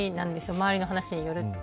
周りの話によると。